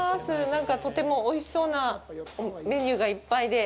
なんかとてもおいしそうなメニューがいっぱいで。